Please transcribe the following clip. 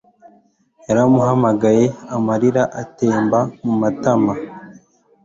Yaramuhamagaye amarira atemba mu matama